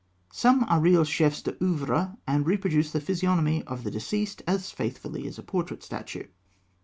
Some are real chefs d'oeuvre, and reproduce the physiognomy of the deceased as faithfully as a portrait statue.